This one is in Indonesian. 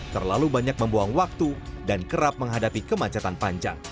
terlalu banyak membuang waktu dan kerap menghadapi kemacetan panjang